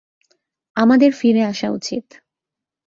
আমাদের ফিরে আসা উচিত।